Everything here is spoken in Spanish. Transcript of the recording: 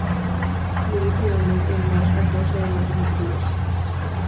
Murió finalmente en marzo a causa de la tuberculosis.